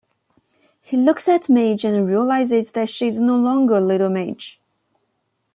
He looks at Midge and realises that she is no longer "little Midge".